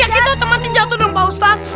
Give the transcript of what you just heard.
ya kita otomatis jatuh dengan pak ustadz